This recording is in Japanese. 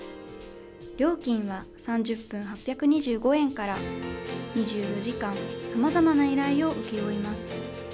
料金は３０分８２５円から、２４時間、さまざまな依頼を請け負います。